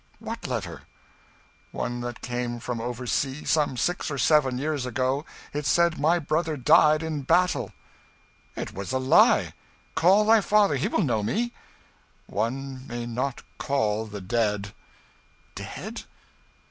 "What letter?" "One that came from over sea, some six or seven years ago. It said my brother died in battle." "It was a lie! Call thy father he will know me." "One may not call the dead." "Dead?"